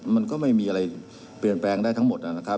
มันก็ไม่มีอะไรเปลี่ยนแปลงได้ทั้งหมดนะครับ